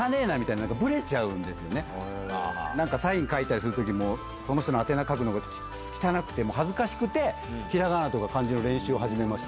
サイン書いたりする時も宛名書くのが汚くてもう恥ずかしくて平仮名と漢字の練習を始めました。